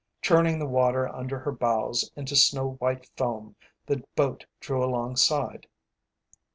Churning the water under her bows into snow white foam, the boat drew alongside.